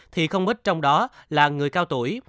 thì không ít trong đó là người cao tuổi